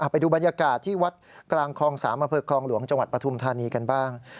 ไปดูบรรยากาศที่วัดกลางคลอง๓อำเภอคลองหลวงจังหวัดปฐุมธานีกันบ้าง